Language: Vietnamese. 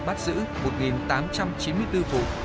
bắt giữ một tám trăm chín mươi bốn vụ